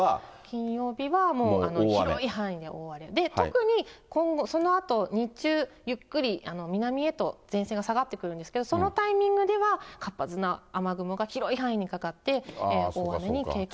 金曜日は広い範囲で大荒れで、特にそのあと日中、ゆっくり南へと前線が下がってくるんですけど、そのタイミングでは、活発な雨雲が広い範囲にかかって、大雨に警戒が必要。